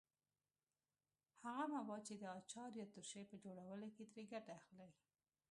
هغه مواد چې د اچار یا ترشۍ په جوړولو کې ترې ګټه اخلئ.